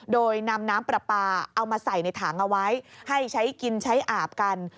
โดยนำน้ำปลาปลาเอามาใส่ในถังเอาไว้ให้ใช้กินใช้อาบกัน